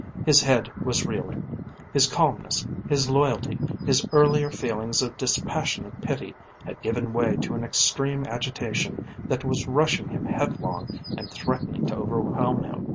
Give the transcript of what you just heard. His head was reeling; his calmness, his loyalty, his earlier feelings of dispassionate pity had given way to an extreme agitation that was rushing him headlong and threatening to overwhelm him.